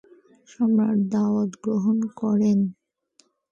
সম্রাট দাওয়াত গ্রহণ করেন।